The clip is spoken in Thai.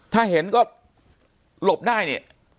ถ้าเห็นก็หลบได้นี่